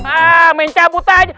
ah main cabut aja